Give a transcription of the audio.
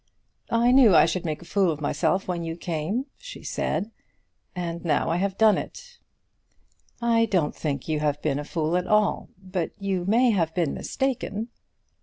"I knew I should make a fool of myself when you came," she said; "and now I have done it." "I don't think you have been a fool at all, but you may have been mistaken."